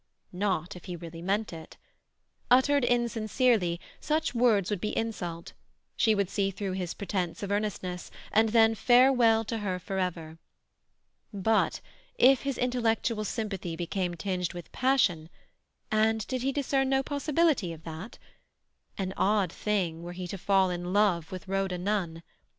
Not if he really meant it. Uttered insincerely, such words would be insult; she would see through his pretence of earnestness, and then farewell to her for ever. But if his intellectual sympathy became tinged with passion—and did he discern no possibility of that? An odd thing were he to fall in love with Rhoda Nunn.